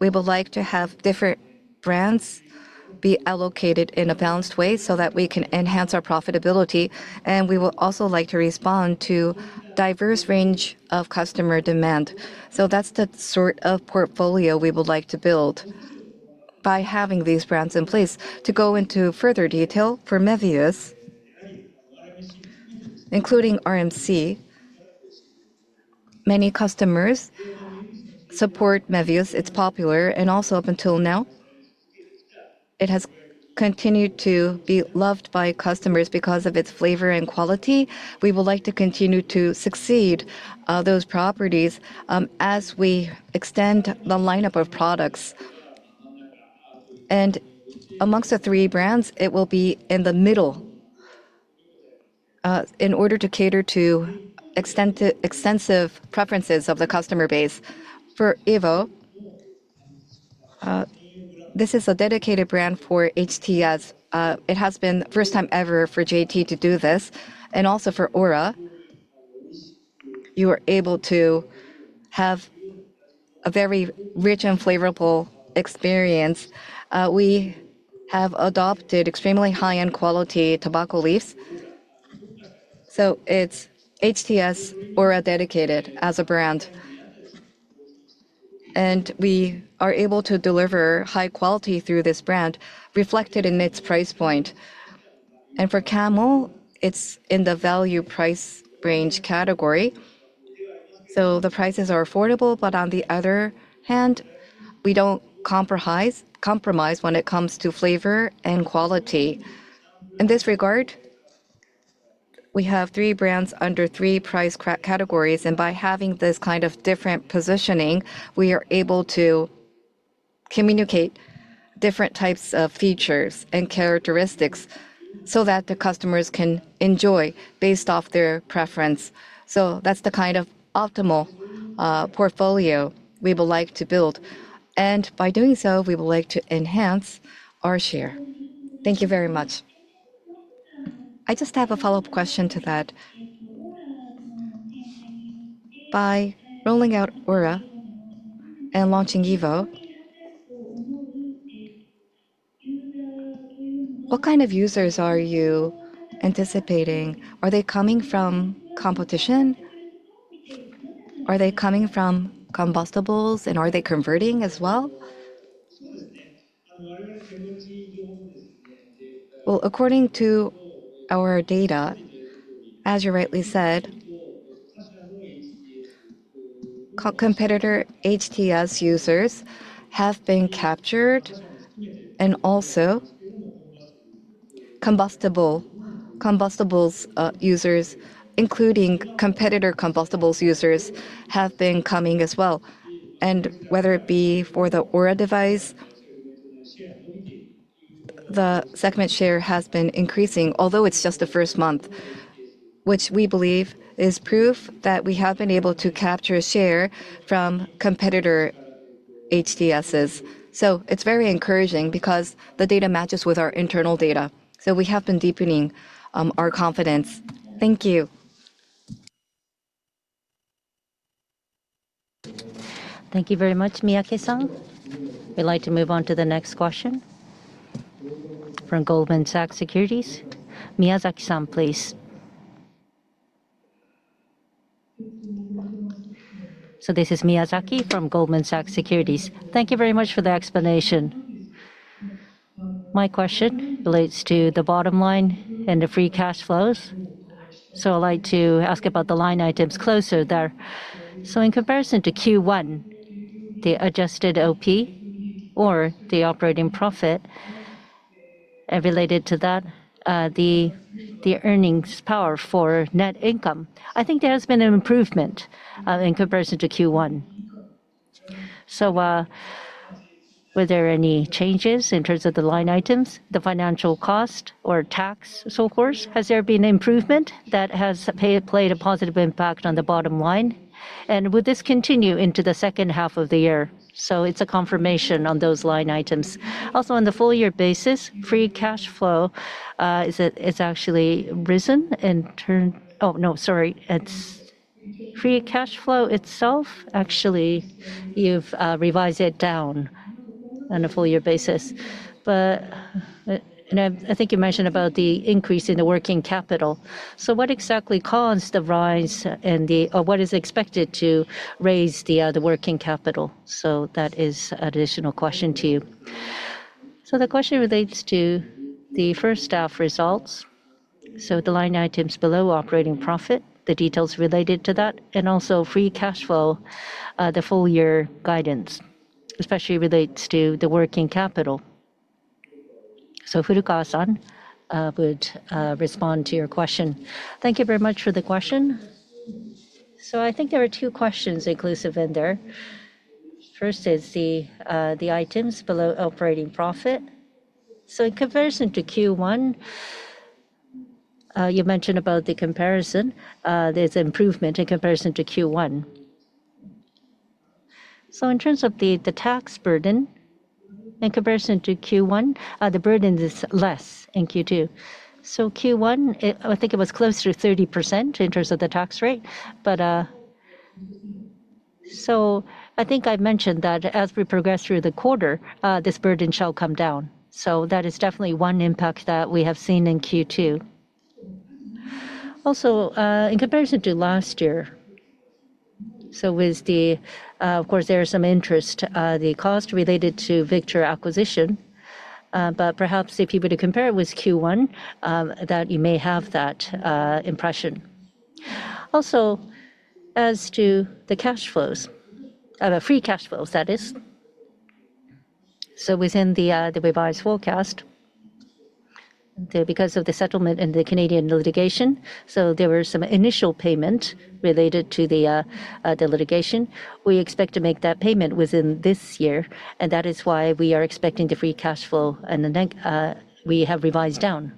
we would like to have different brands be allocated in a balanced way so that we can enhance our profitability. We would also like to respond to a diverse range of customer demand. That's the sort of portfolio we would like to build by having these brands in place. To go into further detail for Mevius, including RMC, many customers support Mevius. It's popular, and also up until now, it has continued to be loved by customers because of its flavor and quality. We would like to continue to succeed those properties as we extend the lineup of products. Amongst the three brands, it will be in the middle in order to cater to extensive preferences of the customer base. For EVO, this is a dedicated brand for HTS. It has been the first time ever for JT to do this. Also for AURA, you are able to have a very rich and flavorful experience. We have adopted extremely high-end quality tobacco leaves, so it's HTS, AURA dedicated as a brand, and we are able to deliver high quality through this brand, reflected in its price point. For Camel, it's in the value-price range category, so the prices are affordable, but on the other hand, we don't compromise when it comes to flavor and quality. In this regard, we have three brands under three price categories. By having this kind of different positioning, we are able to communicate different types of features and characteristics so that the customers can enjoy based off their preference. That's the kind of optimal portfolio we would like to build, and by doing so, we would like to enhance our share.
Thank you very much. I just have a follow-up question to that. By rolling out AURA and launching EVO, what kind of users are you anticipating? Are they coming from competition? Are they coming from combustibles, and are they converting as well?
According to our data, as you rightly said, competitor HTS users have been captured. Also, combustibles users, including competitor combustibles users, have been coming as well. Whether it be for the AURA device, the segment share has been increasing, although it's just the first month, which we believe is proof that we have been able to capture share from competitor HTSs. It is very encouraging because the data matches with our internal data, so we have been deepening our confidence.
Thank you.
Thank you very much, Miyake-san. We'd like to move on to the next question from Goldman Sachs. Miyazaki-san, please. This is Miyazaki from Goldman Sachs. Thank you very much for the explanation. My question relates to the bottom line and the free cash flows. I'd like to ask about the line items closer there. In comparison to Q1, the adjusted OP or the operating profit, and related to that, the earnings power for net income, I think there has been an improvement in comparison to Q1. Were there any changes in terms of the line items, the financial cost or tax, and so forth? Has there been an improvement that has played a positive impact on the bottom line? Would this continue into the second half of the year? It is a confirmation on those line items. Also, on the full-year basis, free cash flow has actually risen in terms of—oh, no, sorry. It's free cash flow itself, actually, you've revised it down on a full-year basis. I think you mentioned about the increase in the working capital. What exactly caused the rise and what is expected to raise the working capital? That is an additional question to you. The question relates to the first-half results, the line items below operating profit, the details related to that, and also free cash flow, the full-year guidance, especially relates to the working capital. Furukawa-san would respond to your question.
Thank you very much for the question. I think there are two questions inclusive in there. First is the items below operating profit. In comparison to Q1, you mentioned about the comparison, there's an improvement in comparison to Q1. In terms of the tax burden, in comparison to Q1, the burden is less in Q2. Q1, I think it was close to 30% in terms of the tax rate. I think I mentioned that as we progress through the quarter, this burden shall come down. That is definitely one impact that we have seen in Q2. Also, in comparison to last year, there is some interest, the cost related to Vector acquisition. Perhaps if you were to compare it with Q1, you may have that impression. As to the cash flows, free cash flows, that is, within the revised forecast, because of the settlement in the Canadian litigation, there were some initial payments related to the litigation. We expect to make that payment within this year, and that is why we are expecting the free cash flow. We have revised down.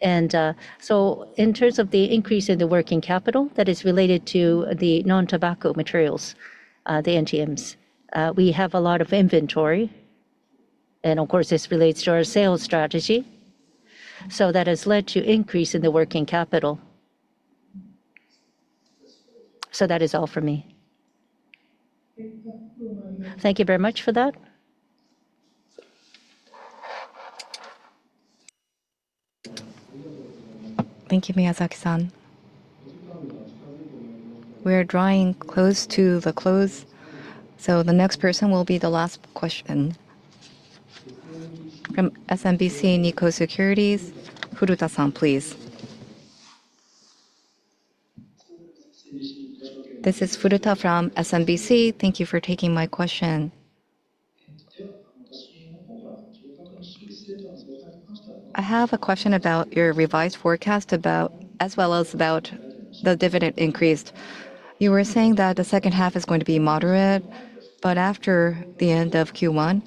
In terms of the increase in the working capital that is related to the non-tobacco materials, the NTMs, we have a lot of inventory. This relates to our sales strategy, so that has led to an increase in the working capital. That is all for me. Thank you very much for that.
Thank you, Miyazaki-san. We are drawing close to the close. The next person will be the last question. From SMBC Nikko Securities, Furuta-san, please.
This is Furuta from SMBC. Thank you for taking my question. I have a question about your revised forecast as well as about the dividend increase. You were saying that the second half is going to be moderate, but after the end of Q1,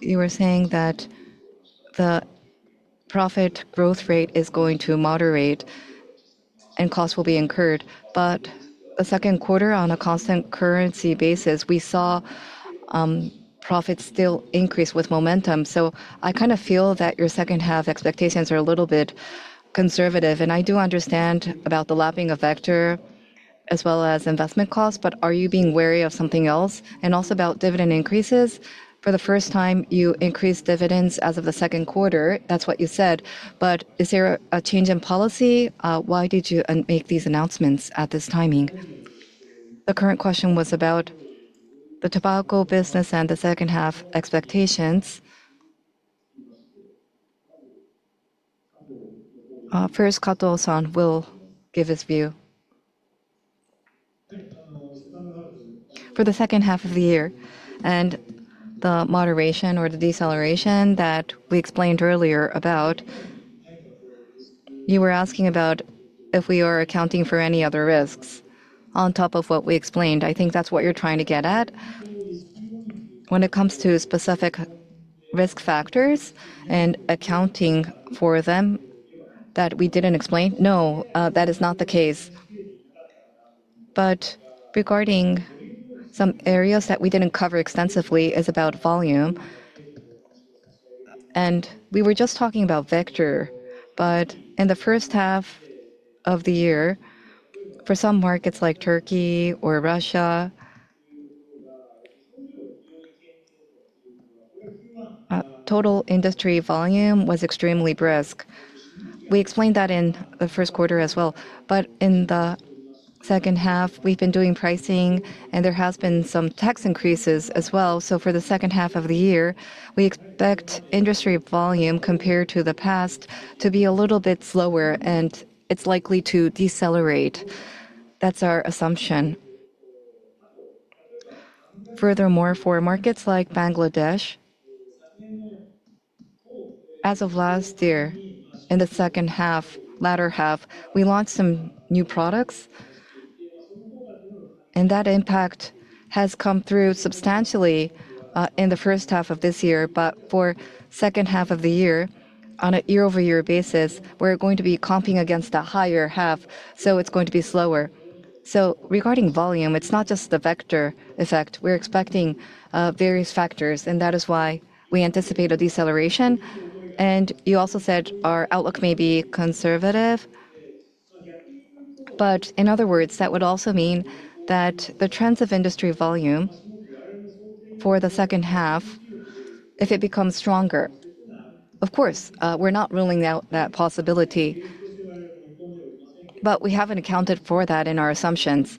you were saying that the profit growth rate is going to moderate and cost will be incurred. The second quarter, on a constant currency basis, we saw profits still increase with momentum. I kind of feel that your second-half expectations are a little bit conservative. I do understand about the lapping effect as well as investment costs, but are you being wary of something else? Also about dividend increases, for the first time, you increased dividends as of the second quarter. That's what you said. Is there a change in policy? Why did you make these announcements at this timing?
The current question was about the tobacco business and the second-half expectations. First, Kato-san will give his view.
For the second half of the year and the moderation or the deceleration that we explained earlier, you were asking about if we are accounting for any other risks on top of what we explained. I think that's what you're trying to get at. When it comes to specific risk factors and accounting for them that we didn't explain, no, that is not the case. Regarding some areas that we didn't cover extensively, it is about volume. We were just talking about Vector, but in the first half of the year, for some markets like Turkey or Russia, total industry volume was extremely brisk. We explained that in the first quarter as well. In the second half, we've been doing pricing, and there have been some tax increases as well. For the second half of the year, we expect industry volume compared to the past to be a little bit slower, and it's likely to decelerate. That's our assumption. Furthermore, for markets like Bangladesh, as of last year in the second half, latter half, we launched some new products, and that impact has come through substantially in the first half of this year. For the second half of the year, on a year-over-year basis, we're going to be comping against the higher half, so it's going to be slower. Regarding volume, it's not just the Vector effect. We're expecting various factors, and that is why we anticipate a deceleration. You also said our outlook may be conservative. In other words, that would also mean that the trends of industry volume for the second half, if it becomes stronger, of course, we're not ruling out that possibility. We haven't accounted for that in our assumptions.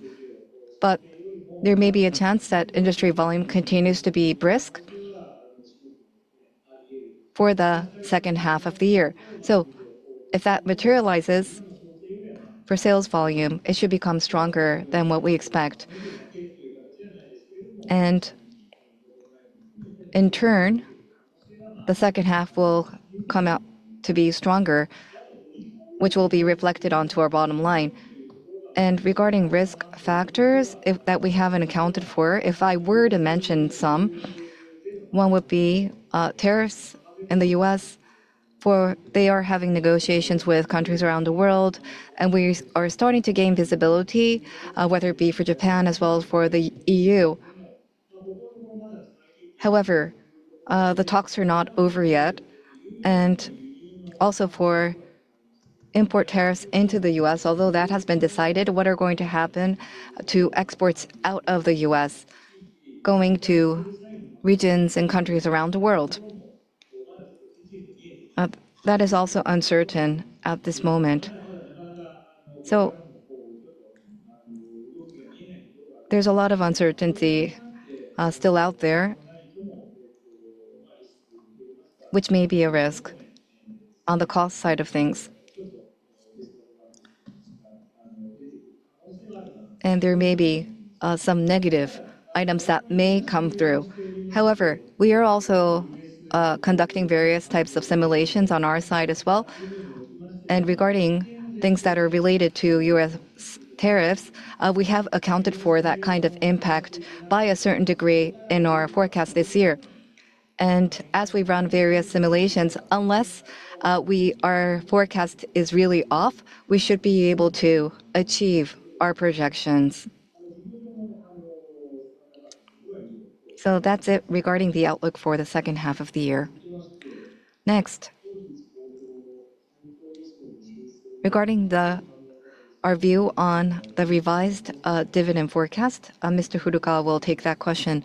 There may be a chance that industry volume continues to be brisk for the second half of the year. If that materializes, for sales volume, it should become stronger than what we expect. In turn, the second half will come out to be stronger, which will be reflected onto our bottom line. Regarding risk factors that we haven't accounted for, if I were to mention some, one would be tariffs in the U.S., for they are having negotiations with countries around the world, and we are starting to gain visibility, whether it be for Japan as well as for the EU. However, the talks are not over yet. Also, for import tariffs into the U.S., although that has been decided, what is going to happen to exports out of the U.S. going to regions and countries around the world is also uncertain at this moment. There is a lot of uncertainty still out there, which may be a risk on the cost side of things, and there may be some negative items that may come through. However, we are also conducting various types of simulations on our side as well. Regarding things that are related to U.S. tariffs, we have accounted for that kind of impact by a certain degree in our forecast this year. As we run various simulations, unless our forecast is really off, we should be able to achieve our projections. That is it regarding the outlook for the second half of the year.
Next, regarding our view on the revised dividend forecast, Mr. Furukawa will take that question.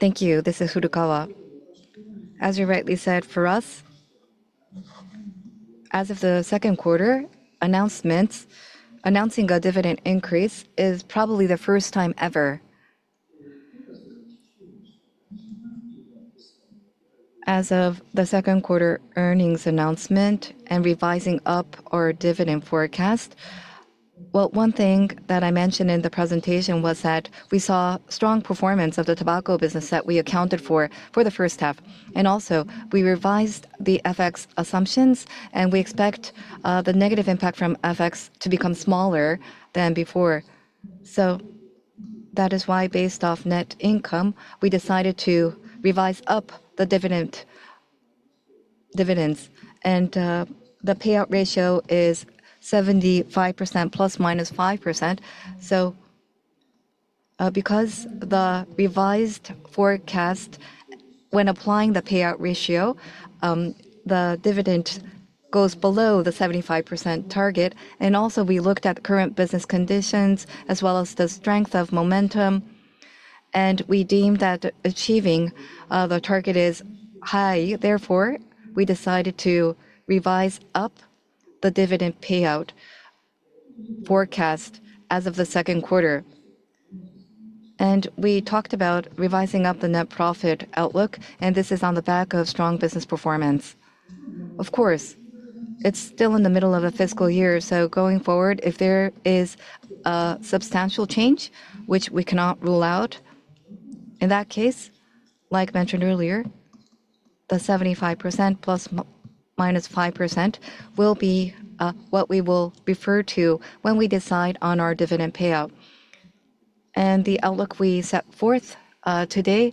Thank you. This is Furukawa. As you rightly said, for us, as of the second quarter, announcing a dividend increase is probably the first time ever. As of the second quarter earnings announcement and revising up our dividend forecast, one thing that I mentioned in the presentation was that we saw strong performance of the tobacco business that we accounted for for the first half. Also, we revised the FX assumptions, and we expect the negative impact from FX to become smaller than before. That is why, based off net income, we decided to revise up the dividends. The payout ratio is 75% plus minus 5%. Because the revised forecast, when applying the payout ratio, the dividend goes both. Oh, the 75% target. We looked at current business conditions as well as the strength of momentum, and we deemed that achieving the target is high. Therefore, we decided to revise up the dividend payout forecast as of the second quarter. We talked about revising up the net profit outlook, and this is on the back of strong business performance. Of course, it's still in the middle of a fiscal year, so going forward, if there is a substantial change, which we cannot rule out, in that case, like mentioned earlier, the 75% plus minus 5% will be what we will refer to when we decide on our dividend payout. The outlook we set forth today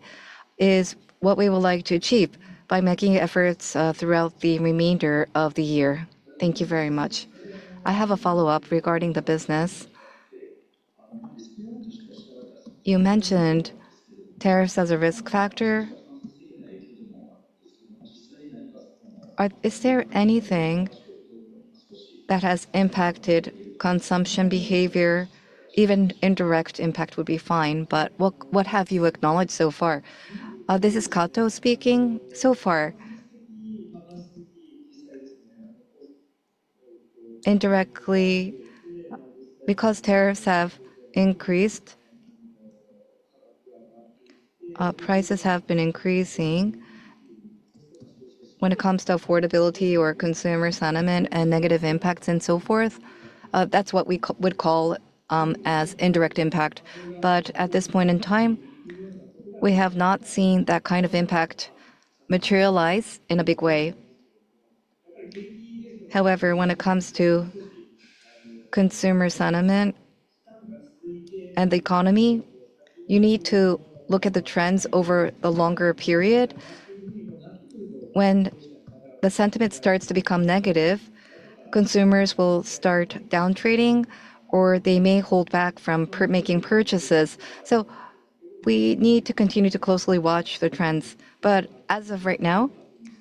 is what we would like to achieve by making efforts throughout the remainder of the year.
Thank you very much. I have a follow-up regarding the business. You mentioned tariffs as a risk factor. Is there anything that has impacted consumption behavior? Even indirect impact would be fine, but what have you acknowledged so far?
This is Kato speaking. So far, indirectly, because tariffs have increased, prices have been increasing. When it comes to affordability or consumer sentiment and negative impacts and so forth, that's what we would call as indirect impact. At this point in time, we have not seen that kind of impact materialize in a big way. However, when it comes to consumer sentiment. You need to look at the trends over a longer period. When the sentiment starts to become negative, consumers will start downtrading or they may hold back from making purchases. We need to continue to closely watch the trends. As of right now,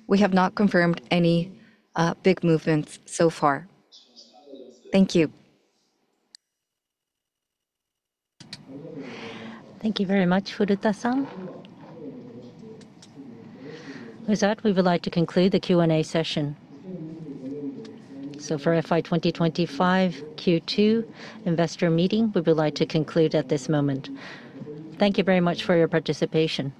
we have not confirmed any big movements so far. Thank you.
Thank you very much, Furuta-san. With that, we would like to conclude the Q&A session. For FY 2025 Q2 investor meeting, we would like to conclude at this moment. Thank you very much for your participation.